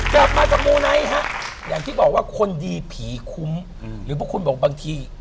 กลับมาจากมูไนท์ฮะอย่างที่บอกว่าคนดีผีคุ้มหรือบางคนบอกบางที